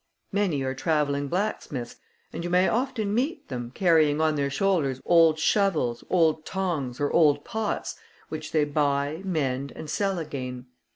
Many are travelling blacksmiths, and you may often meet them, carrying on their shoulders old shovels, old tongs, or old pots, which they buy, mend, and sell again.